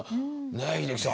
ねえ英樹さん